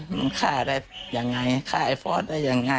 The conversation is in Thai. มันฆ่าได้ยังไงฆ่าไอ้ฟอสได้ยังไง